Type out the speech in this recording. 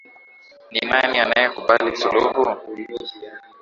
Ni nani anayekubali suluhu?